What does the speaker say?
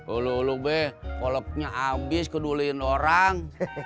ulu ulu be koleknya abis keduliin orang